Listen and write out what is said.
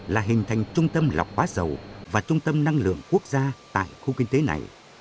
là hình thành trung tâm lọc hóa dầu và trung tâm năng lượng quốc gia tại khu kinh tế này